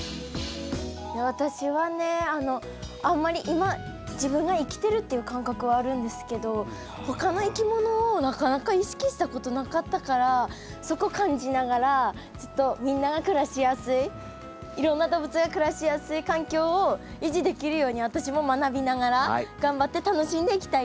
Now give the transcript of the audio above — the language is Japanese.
今自分が生きてるっていう感覚はあるんですけど他のいきものをなかなか意識したことなかったからそこ感じながらちょっとみんなが暮らしやすいいろんな動物が暮らしやすい環境を維持できるように私も学びながら頑張って楽しんでいきたいなって思ってます。